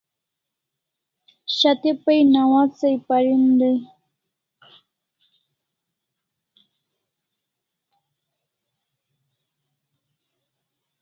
Shat'e pay nawats ai parin dai